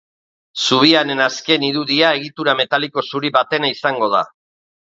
Zubiaren azken irudia egitura metaliko zuri batena izango da.